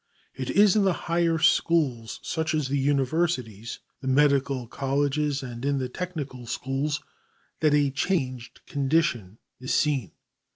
It is in the higher schools, such as the universities, the medical colleges and in the technical schools that a changed condition is seen.